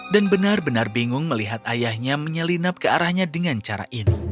dan benar benar bingung melihat ayahnya menyelinap ke arahnya dengan cara ini